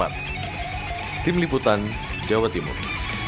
tim liputan jawa timur